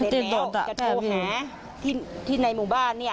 เสร็จแล้วจะโทรหาที่ในหมู่บ้าน